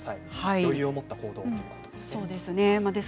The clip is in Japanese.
余裕を持った行動をということです。